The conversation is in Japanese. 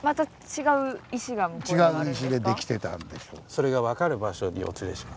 それが分かる場所にお連れします。